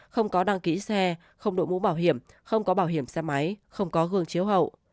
không có đăng ký xe không đội mũ bảo hiểm không có bảo hiểm xe máy không có gương chiếu hậu